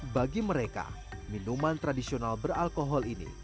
bagi mereka minuman tradisional beralkohol ini